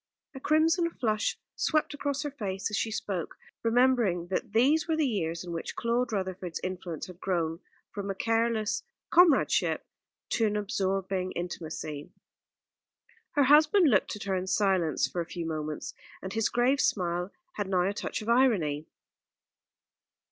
A crimson flush swept across her face as she spoke, remembering that these were the years in which Claude Rutherford's influence had grown from a careless comradeship to an absorbing intimacy. Her husband looked at her in silence for a few moments; and his grave smile had now a touch of irony.